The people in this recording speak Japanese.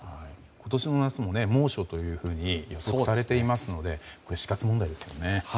今年の夏も猛暑と伝えられていますので死活問題ですよね。